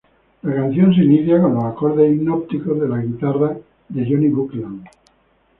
La canción inicia con los acordes hipnóticos de la guitarra de Jonny Buckland.